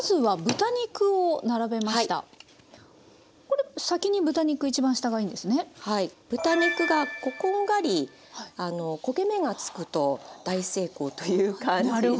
豚肉がこんがり焦げ目がつくと大成功という感じで。